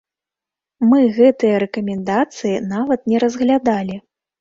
Мы гэтыя рэкамендацыі нават не разглядалі.